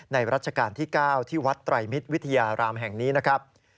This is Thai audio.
รัชกาลที่๙ที่วัดไตรมิตรวิทยารามแห่งนี้นะครับ